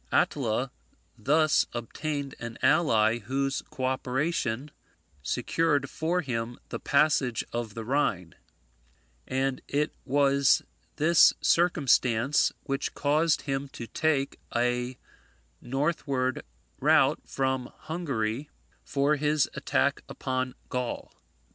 Attila thus obtained an ally whose co operation secured for him the passage of the Rhine; and it was this circumstance which caused him to take a northward route from Hungary for his attack upon Gaul.